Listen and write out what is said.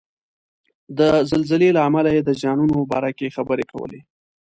د زلزلې له امله یې د زیانونو باره کې خبرې کولې.